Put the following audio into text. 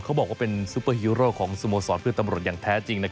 เขาบอกว่าเป็นซุปเปอร์ฮีโร่ของสโมสรเพื่อตำรวจอย่างแท้จริง